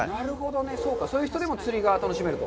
そうか、そういう人でも釣りが楽しめると。